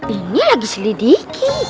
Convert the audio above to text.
ini lagi selidiki